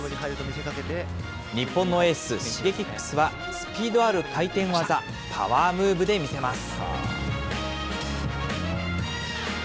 日本のエース、Ｓｈｉｇｅｋｉｘは、スピードある回転技、パワームーブで見せます。